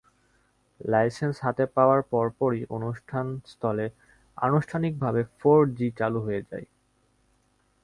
Licence হাতে পাওয়ার পরপরই অনুষ্ঠানস্থলে আনুষ্ঠানিকভাবে ফোর জি চালু হয়ে যায়।